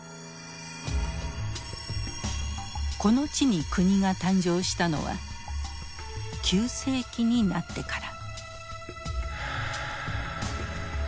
この地に国が誕生したのは９世紀になってから。